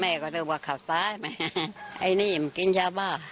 แม่ก็ดูว่าเขาตายไหมไอ้นี่มันกินเจ้าบ้า